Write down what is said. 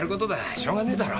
しょうがねえだろ。